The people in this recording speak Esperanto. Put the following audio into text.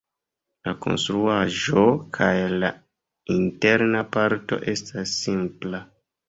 La konstruaĵo kaj la interna parto estas simpla.